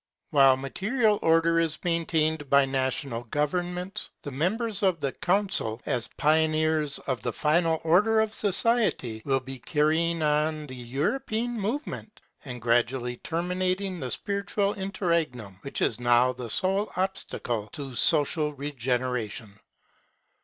While material order is maintained by national governments, the members of the Council, as pioneers of the final order of society, will be carrying on the European movement, and gradually terminating the spiritual interregnum which is now the sole obstacle to social regeneration.